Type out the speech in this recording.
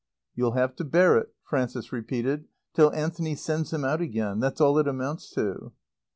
"You'll have to bear it," Frances repeated, "till Anthony sends him out again. That's all it amounts to."